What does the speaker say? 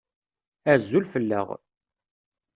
Azul fell-aɣ.